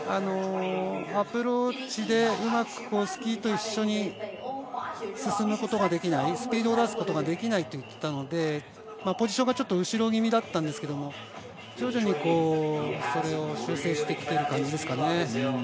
アプローチでうまくスキーと一緒に進むことができない、スピードを出すことができないと言っていたので、ポジションが後ろ気味だったんですけれども、徐々にそれを修正してきている感じですかね。